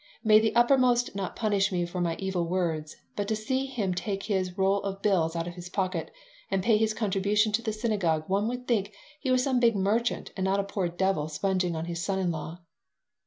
"May the Uppermost not punish me for my evil words, but to see him take his roll of bills out of his pocket and pay his contribution to the synagogue one would think he was some big merchant and not a poor devil sponging on his son in law."